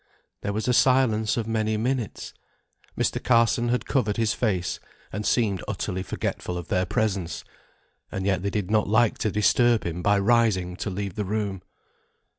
There was a silence of many minutes. Mr. Carson had covered his face, and seemed utterly forgetful of their presence; and yet they did not like to disturb him by rising to leave the room.